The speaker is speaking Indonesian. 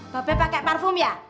bapak pakai parfum ya